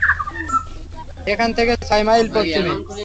এখান থেকে ছয় মাইল পশ্চিমে।